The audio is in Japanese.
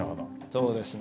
そうですね。